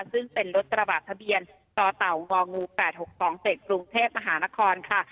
ซึ่งเป็นรถกระบะทะเบียนตเต๋าง๘๖๒๗ภูมิเทพฯมหานครค่ะ